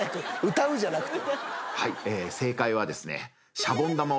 歌うじゃなくて？